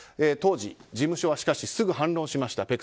当時、事務所はしかしすぐ反論しました。